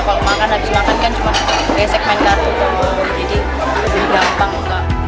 kalau makan habis makan kan cuma gesegmen kartu jadi lebih gampang